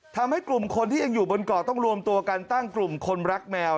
ทำให้กลุ่มคนที่ยังอยู่บนเกาะต้องรวมตัวกันตั้งกลุ่มคนรักแมว